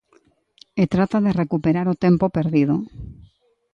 E trata de recuperar o tempo perdido.